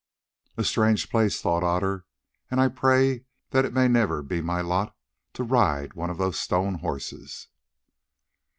"A strange place," thought Otter; "and I pray that it may never be my lot to ride one of those stone horses."